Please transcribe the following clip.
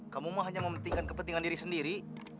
kamu mau hanya mementingkan kepentingan diri sendiri